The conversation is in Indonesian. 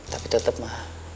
tapi tetep ma